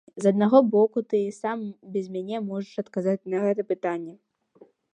З аднаго боку, ты і сам, без мяне можаш адказаць на гэтае пытанне.